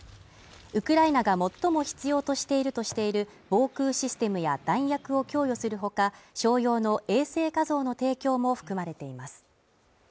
ウクライナが最も必要としているとしている防空システムや弾薬を供与するほか、商用の衛星画像の提供も含まれています。